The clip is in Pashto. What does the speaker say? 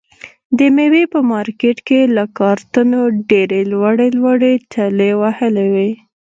د مېوې په مارکېټ کې یې له کارتنو ډېرې لوړې لوړې ټلې وهلې وي.